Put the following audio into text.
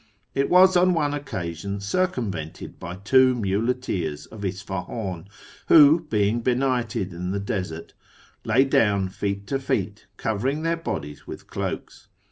It was on one ccasion circumvented by two muleteers of Isfahi'in, who, being enighted in the desert, lay down feet to feet, covering their odies with cloaks.